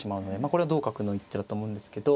これは同角の一手だと思うんですけど。